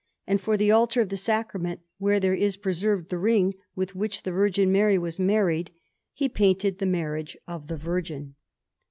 And for the Altar of the Sacrament, where there is preserved the ring with which the Virgin Mary was married, he painted the Marriage of the Virgin.